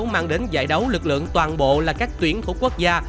cũng mang đến giải đấu lực lượng toàn bộ là các tuyển thủ quốc gia